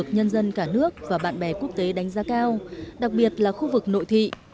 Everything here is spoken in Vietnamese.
nhân dân cả nước và bạn bè quốc tế đánh giá cao đặc biệt là khu vực nội thị